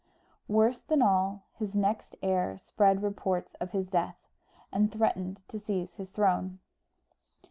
Worse than all, his next heir spread reports of his death, and threatened to seize on his throne.